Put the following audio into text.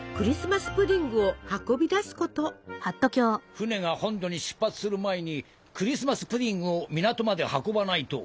船が本土に出発する前にクリスマス・プディングを港まで運ばないと。